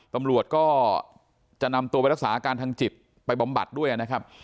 ตำรวจก็จะนำตัวไปรักษาอาการทางจิตไปบำบัดด้วยนะครับ